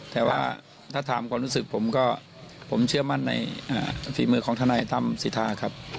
แต่ว่าถ้าถามความรู้สึกผมก็ผมเชื่อมั่นในฝีมือของทนายตั้มสิทธาครับ